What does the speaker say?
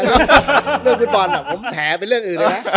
เรื่องฟุตบอลผมแฉเป็นเรื่องอื่นเลยนะ